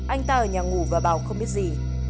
anh ta ở nhà ngủ và bảo không biết gì